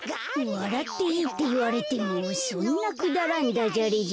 わらっていいっていわれてもそんなくだらんダジャレじゃ。